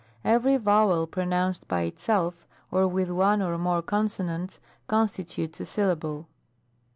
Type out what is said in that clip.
Every vowel pronounced by itself, or with one or more consonants, constitutes a syllable.